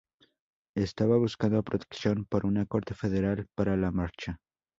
Estaba buscando protección por una corte federal para la marcha.